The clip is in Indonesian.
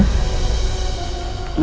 maaf satu lagi pak